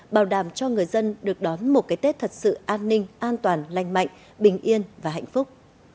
bảo đảm cho người dân được đón một cái tết thật sự an ninh an toàn lành mạnh bình yên và hạnh phúc